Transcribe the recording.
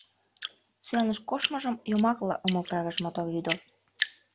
Сӱаныш коштмыжым йомакла, — умылтарыш мотор ӱдыр.